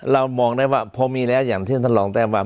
เรามองได้ว่าพอมีแล้วอย่างที่ท่านรองแต้มว่า